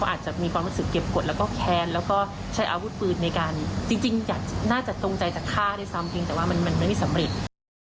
อาจจะมีความรู้สึกเก็บกรดแล้วก็แคลนแล้วก็ใช้อาวุธมือในการมันมันไม่สำเร็จ